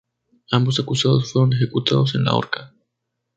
Ambos acusados fueron ejecutados en la horca.